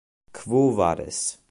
Quo vadis?